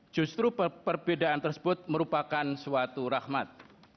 justru perbedaan tersebut merupakan suatu rahmat